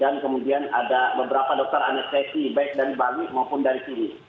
dan kemudian ada beberapa dokter anak titi baik dari bali maupun dari sini